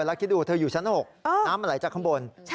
แล้วคิดดูเธออยู่ชั้น๖น้ำมันไหลจากข้างบน